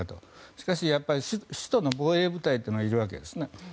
しかし、首都の防衛部隊というのはいるわけです。